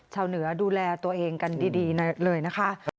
ชาวเหนือดูแลตัวเองกันดีเลยนะคะ